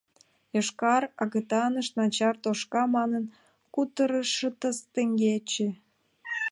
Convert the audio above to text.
Йошкар агытанышт начар тошка манын кутырыштыс теҥгече!